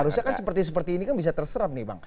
harusnya kan seperti seperti ini kan bisa terserap nih bang